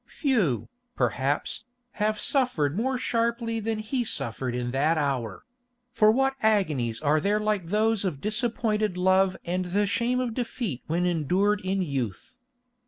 Few, perhaps, have suffered more sharply than he suffered in that hour; for what agonies are there like those of disappointed love and the shame of defeat when endured in youth?